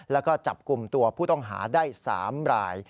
แล้วก็จับกลุ่มตัวผู้ต้องหาได้๓ราย